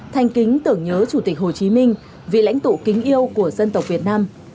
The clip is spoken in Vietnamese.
thanh kính tưởng nhớ chủ tịch hồ chí minh vị lãnh tụ kính yêu của dân tộc việt nam